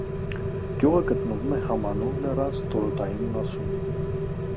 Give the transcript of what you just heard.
Գյուղը գտնվում է համանուն լեռան ստորոտային մասում։